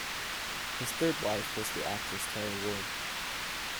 His third wife was the actress Tara Ward.